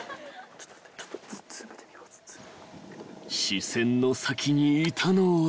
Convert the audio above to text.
［視線の先にいたのは］